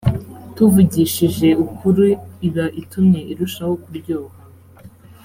tuvugishije ukuri iba itumye irushaho kuryoha